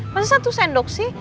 masa satu sendok sih